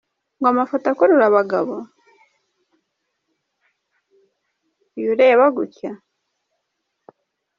Ngo amafoto akurura abagabo ?? Uyu ureba gutya !!??.